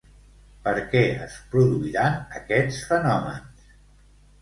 Per què es produiran aquests fenòmens?